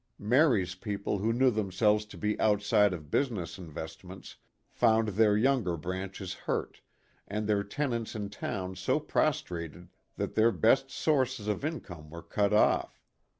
Mary's people who knew themselves to be outside of business investments found their younger branches hurt, and their tenants in town so prostrated that their best sources of income were cut off.